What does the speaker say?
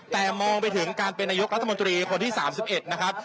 แต่มองไปถึงการเป็นนายกรัฐมนตรีคนที่๓๑นะครับ